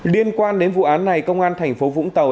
liên quan đến vụ án này công an thành phố vũng tàu